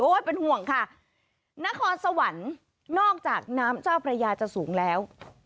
เป็นห่วงค่ะนครสวรรค์นอกจากน้ำเจ้าพระยาจะสูงแล้ว